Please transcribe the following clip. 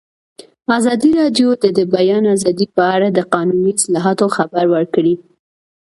ازادي راډیو د د بیان آزادي په اړه د قانوني اصلاحاتو خبر ورکړی.